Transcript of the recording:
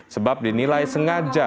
sebab dinilai sengaja